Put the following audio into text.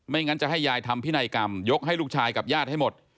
งั้นจะให้ยายทำพินัยกรรมยกให้ลูกชายกับญาติให้หมด